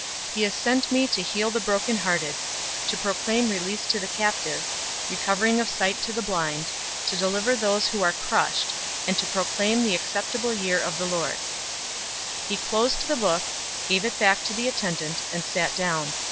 He has sent me to heal the brokenhearted, to proclaim release to the captives, recovering of sight to the blind, to deliver those who are crushed, 004:019 and to proclaim the acceptable year of the Lord."{Isaiah 61:1 2} 004:020 He closed the book, gave it back to the attendant, and sat down.